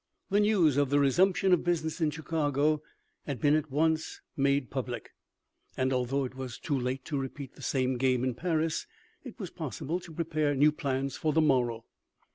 The news of the resumption of business in Chicago had been at once made public, and although it was too late to repeat the same game in Paris, it was pos sible to prepare new plans for the morrow.